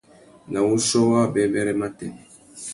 Nà wuchiô wa wabêbêrê matê.